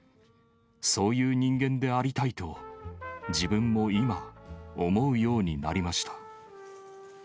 そういう人間でありたいと、自分も今、思うようになりました。